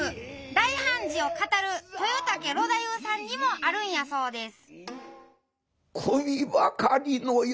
大判事を語る豊竹呂太夫さんにもあるんやそうです。